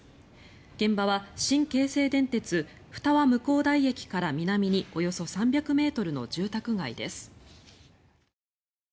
現場は新京成電鉄二和向台駅から南におよそ３００ｍの住宅街です。